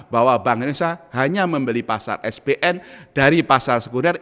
bahwa bank indonesia hanya membeli pasar spn dari pasar sekunder